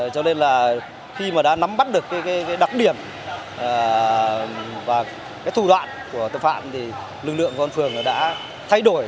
cho nên là khi mà đã nắm bắt được cái đặc điểm và cái thủ đoạn của tâm phạm thì lực lượng của con phường đã thay đổi